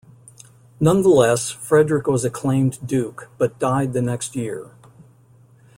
Nonetheless, Frederick was acclaimed duke, but died the next year.